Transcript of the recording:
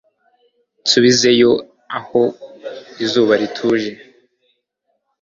Nsubizeyo aho izuba rituje